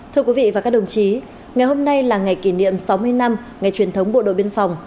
thưa quý vị và các đồng chí ngày hôm nay là ngày kỷ niệm sáu mươi năm ngày truyền thống bộ đội biên phòng